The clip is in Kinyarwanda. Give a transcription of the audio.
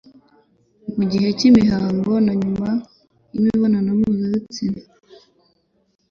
mu gihe cy'imihango na nyuma y'imibonano mpuzabitsina